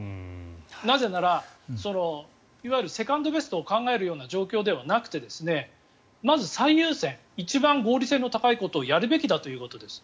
なぜならいわゆるセカンドベストを考えるような状況ではなくてまず最優先一番合理性の高いことをやるべきだということですよ。